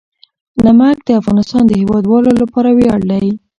نمک د افغانستان د هیوادوالو لپاره ویاړ دی.